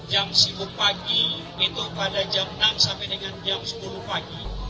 jam sibuk pagi itu pada jam enam sampai dengan jam sepuluh pagi